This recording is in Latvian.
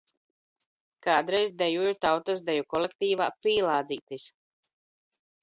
Kādreiz dejoju tautas deju kolektīvā “Pīlādzītis”.